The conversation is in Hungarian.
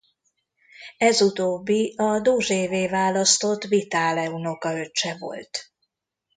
Ez utóbbi a dózsévé választott Vitale unokaöccse volt.